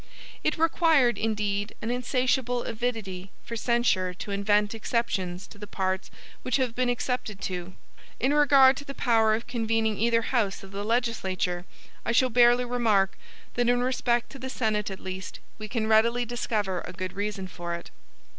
It required, indeed, an insatiable avidity for censure to invent exceptions to the parts which have been excepted to. In regard to the power of convening either house of the legislature, I shall barely remark, that in respect to the Senate at least, we can readily discover a good reason for it.